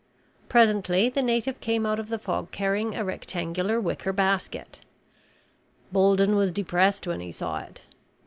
Presently the native came out of the fog carrying a rectangular wicker basket. Bolden was depressed when he saw it.